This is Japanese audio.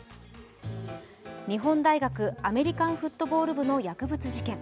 日本大学アメリカンフットボール部の薬物事件。